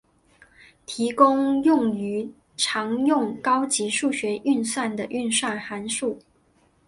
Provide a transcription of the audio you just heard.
提供用于常用高级数学运算的运算函数。